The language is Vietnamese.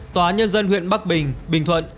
tòa án nhân dân huyện bắc bình bình thuận